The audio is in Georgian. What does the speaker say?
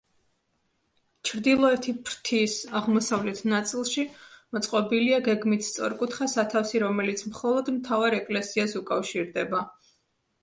ჩრდილოეთი ფრთის აღმოსავლეთ ნაწილში მოწყობილია გეგმით სწორკუთხა სათავსი, რომელიც მხოლოდ მთავარ ეკლესიას უკავშირდება.